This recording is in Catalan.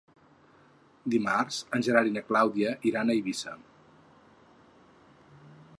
Dimarts en Gerard i na Clàudia iran a Eivissa.